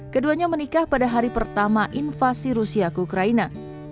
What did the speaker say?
keduanya menikah pada hari pertama invasi rusia ke ukraina